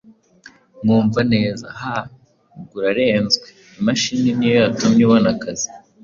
Mwumvaneza:Ahaa! Ubwo urarenzwe. Imashini ni yo yatumye ubona akazi,